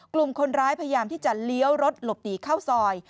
กลุ่มคนร้ายพยายามที่จะเลี้ยวรถหลบหนีเข้าซอย